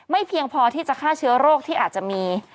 เพียงพอที่จะฆ่าเชื้อโรคที่อาจจะมี